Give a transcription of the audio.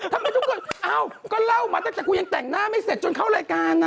ทำไมทุกคนเอ้าก็เล่ามาตั้งแต่กูยังแต่งหน้าไม่เสร็จจนเข้ารายการนะ